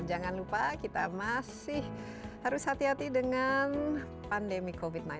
jangan lupa kita masih harus hati hati dengan pandemi covid sembilan belas